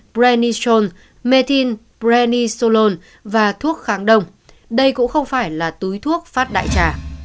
brennison methylbrenisolone và thuốc kháng đông đây cũng không phải là túi thuốc phát đại trả